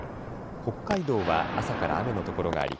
北海道は朝から雨のところがあり